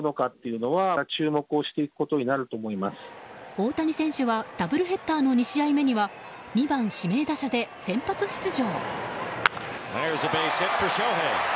大谷選手はダブルヘッダーの２試合目には２番指名打者で先発出場。